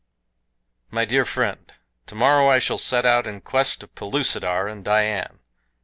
MY DEAR FRIEND: Tomorrow I shall set out in quest of Pellucidar and Dian.